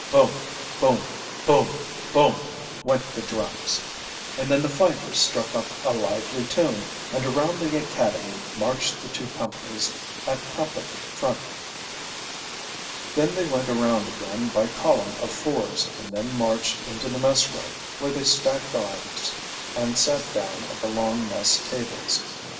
boom! boom, boom, boom!" went the drums, and then the fifers struck up a lively tune, and around the academy marched the two companies at company front. Then they went around again by column of fours, and then marched into the messroom, where they stacked arms and sat down at the long mess tables.